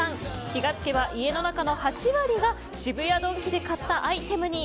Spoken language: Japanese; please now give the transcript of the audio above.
気が付けば家の中の８割が渋谷ドンキで買ったアイテムに。